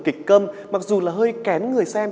kịch câm mặc dù là hơi kén người xem